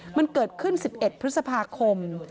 มันเกิดขึ้น๑๑พฤษภาคม